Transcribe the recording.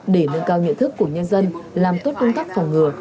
để nâng cao nhận thức của nhân dân làm tốt công tác phòng ngừa